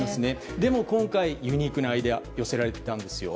でも今回ユニークなアイデアが寄せられたんですよ。